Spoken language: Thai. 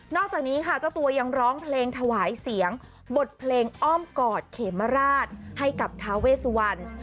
จากนี้ค่ะเจ้าตัวยังร้องเพลงถวายเสียงบทเพลงอ้อมกอดเขมราชให้กับทาเวสวัน